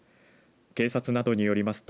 警察などによりますと